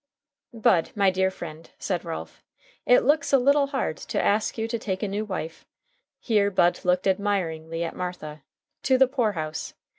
"Bud, my dear friend," said Ralph, "it looks a little hard to ask you to take a new wife" here Bud looked admiringly at Martha "to the poor house.